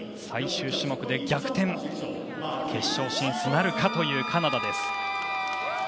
最終種目で逆転決勝進出なるかというカナダです。